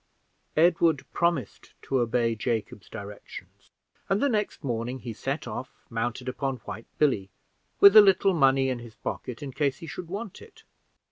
Edward promised to obey Jacob's directions, and the next morning he set off, mounted upon White Billy, with a little money in his pocket in case he should want it.